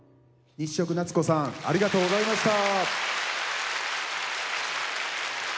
日食なつこさんありがとうございました。